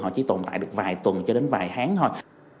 họ chỉ tồn tại được vài tuần cho đến vài tháng thôi